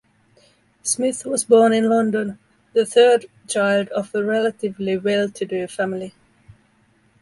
Smith was born in London, the third child of a relatively well-to-do family.